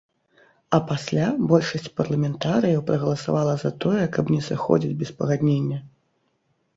А пасля большасць парламентарыяў прагаласавала за тое, каб не сыходзіць без пагаднення.